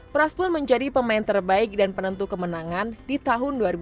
praspul menjadi pemain terbaik dan penentu kemenangan di tahun dua ribu sembilan